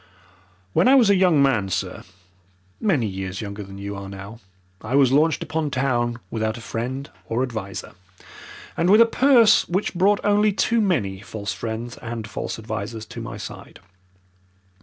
"When I was a young man, sir, many years younger than you are now, I was launched upon town without a friend or adviser, and with a purse which brought only too many false friends and false advisers to my side.